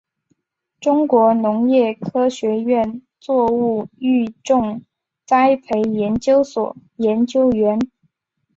中国农业科学院作物育种栽培研究所研究员。